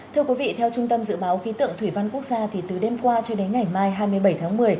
thưa quý vị theo trung tâm dự báo khí tượng thủy văn quốc gia thì từ đêm qua cho đến ngày mai hai mươi bảy tháng một mươi